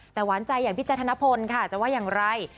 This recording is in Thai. แต่หวานใจอย่างพี่แจ๊ธนพลค่ะจะว่าอย่างไร